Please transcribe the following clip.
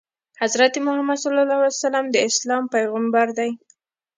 حضرت محمد ﷺ د اسلام پیغمبر دی.